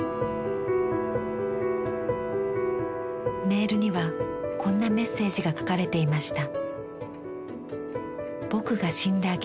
メールにはこんなメッセージが書かれていました。